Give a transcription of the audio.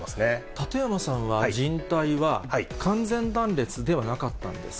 館山さんは、じん帯は完全断裂ではなかったんですか。